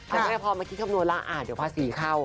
แต่แม่พอมาคิดคำนวณแล้วเดี๋ยวภาษีเข้า